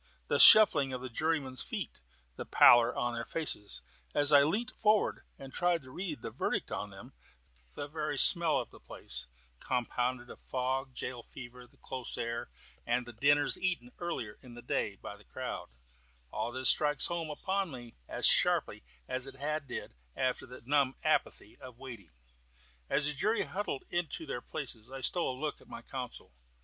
the shuffling of the jurymen's feet; the pallor on their faces as I leant forward and tried to read the verdict on them; the very smell of the place, compounded of fog, gaol fever, the close air, and the dinners eaten earlier in the day by the crowd all this strikes home upon me as sharply as it then did, after the numb apathy of waiting. As the jury huddled into their places I stole a look at my counsel.